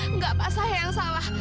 enggak pas saya yang salah